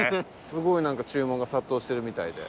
すごいなんか注文が殺到してるみたいで。